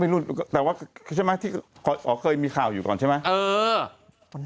ไม่รู้แต่ว่าเคยมีข่าวอยู่ก่อนใช่ไหม